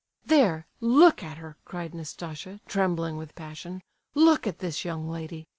"There, look at her," cried Nastasia, trembling with passion. "Look at this young lady!